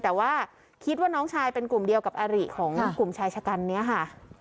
แต่ว่าคิดว่าน้องชายเป็นกลุ่มเดียวกับอาริของกลุ่มชายชะกันนี้ค่ะ